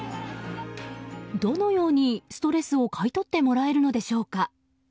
どのようにストレスを買い取ってもらえるのでしょうか。